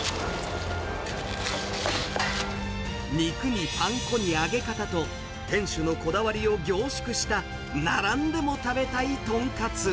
肉にパン粉に揚げ方と、店主のこだわりを凝縮した並んでも食べたい豚カツ。